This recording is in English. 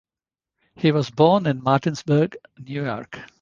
He was born in Martinsburg, New York.